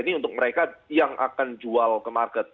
ini untuk mereka yang akan jual ke market